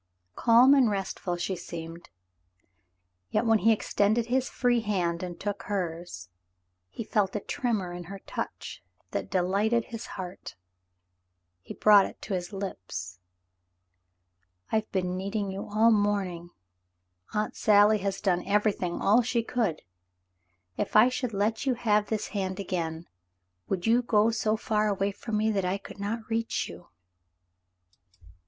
Calm and restful she seemed, yet when he extended his free hand and took hers, he felt a tremor in her touch that delighted his heart. He brought it to his lips. *'I've been needing you all the morning. Aunt Sally has done everything — all she could. If I should let you have this hand again, would you go so far away from me that I could not reach you